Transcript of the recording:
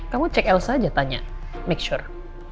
kamu cek elsa aja tanya make sure